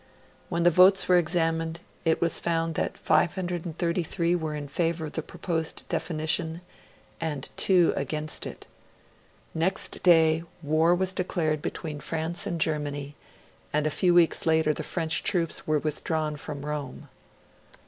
When the votes were examined, it was found that 533 were in favour of the proposed definition and two against it. Next day, war was declared between France and Germany, and a few weeks later the French troops were withdrawn from Rome.